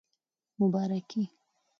مبارکي